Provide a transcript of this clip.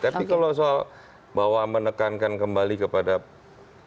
tapi kalau soal bahwa menekankan kembali kepada tidak berpolitik